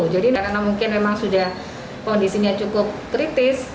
jadi karena mungkin memang sudah kondisinya cukup kritis